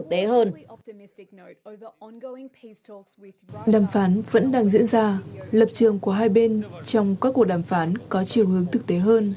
đàm phán vẫn đang diễn ra lập trường của hai bên trong các cuộc đàm phán có chiều hướng thực tế hơn